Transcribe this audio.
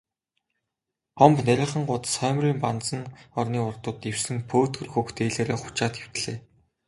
Гомбо нарийхан гудас хоймрын банзан орны урдуур дэвсэн пөөдгөр хөх дээлээрээ хучаад хэвтлээ.